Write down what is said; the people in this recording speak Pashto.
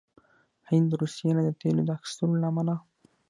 هند روسيې نه د تیلو د اخیستلو له امله